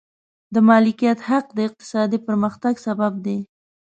د مالکیت حق د اقتصادي پرمختګ سبب دی.